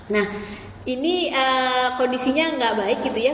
nah ini kondisinya nggak baik gitu ya